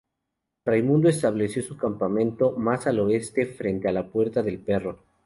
Raimundo estableció su campamento más al oeste, frente a la Puerta del Perro.